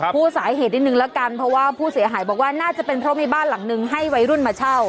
พูดสาเหตุนิดนึงแล้วกันเพราะว่าผู้เสียหายบอกว่าน่าจะเป็นเพราะมีบ้านหลังนึงให้วัยรุ่นมาเช่า